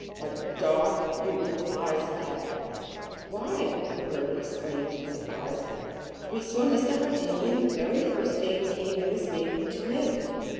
What dark, beautiful eyes he had! "Why," Roberta exclaimed in surprise. "We saw Mr. Hardinian the very first day we came in this neighborhood to live.